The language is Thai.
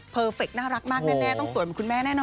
เฟคน่ารักมากแน่ต้องสวยเหมือนคุณแม่แน่นอ